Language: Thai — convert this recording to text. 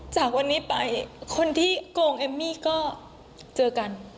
จากวันนี้ไปคนที่โกงเอมมี่ก็เจอกัน